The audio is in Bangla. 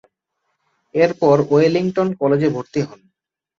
এরপর ওয়েলিংটন কলেজে ভর্তি হন।